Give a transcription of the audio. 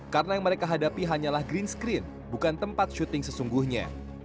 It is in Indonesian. karena yang mereka hadapi hanyalah green screen bukan tempat syuting sesungguhnya